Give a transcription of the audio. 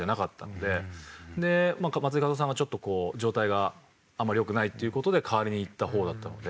で松井稼頭央さんが状態があんまり良くないっていう事で代わりに行った方だったので。